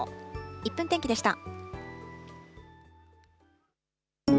１分天気でした。